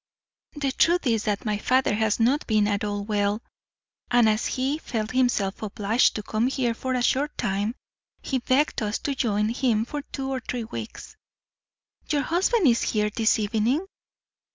"The truth is that my father has not been at all well, and as he felt himself obliged to come here for a short time, he begged us to join him for two or three weeks." "Your husband is here this evening?"